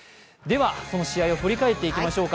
その試合を振り返っていきましょうか。